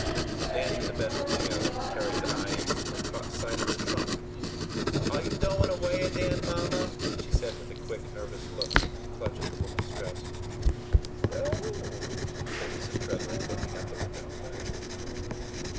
They entered the bedroom together. Carry's eye instantly caught sight of the trunk. "Are you dowin' away adain, Mamma?" she said with a quick nervous look, and a clutch at the woman's dress. "No o," said Mrs. Tretherick, looking out of the window.